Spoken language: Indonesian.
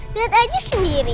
lihat aja sendiri